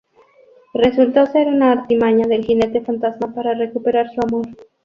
Resultó ser una artimaña del Jinete Fantasma para recuperar su amor.